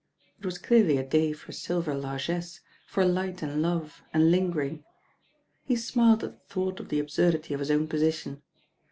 It was clearly a day for silver largesse, for light and love and lingering. He smiled at the thought of the absurdity of his own position.